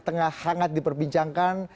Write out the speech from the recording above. tengah hangat diperbincangkan